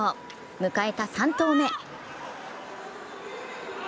迎えた３投目。